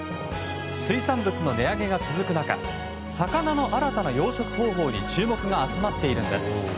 水産物の値上げが続く中魚の新たな養殖方法に注目が集まっているんです。